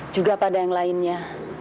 juga pada yang lainnya